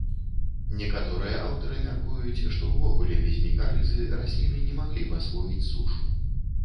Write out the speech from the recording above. Некаторыя аўтары мяркуюць, што ўвогуле без мікарызы расліны не маглі б асвоіць сушу.